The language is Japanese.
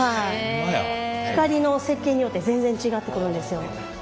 光の設計によって全然違ってくるんですよ。